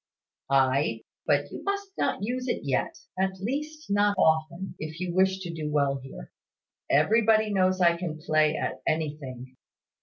"Ay; but you must not use it yet, at least, not often, if you wish to do well here. Everybody knows I can play at anything.